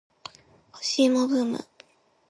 干し芋ブーム